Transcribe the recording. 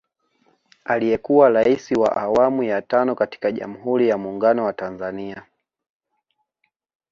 Aliyekuwa Rais wa awamu ya tano katika Jamuhuri ya Munguno wa Tanzania